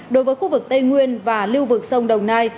đối với khu vực tây nguyên và lưu vực sông đồng nai